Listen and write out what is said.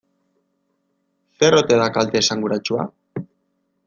Zer ote da kalte esanguratsua?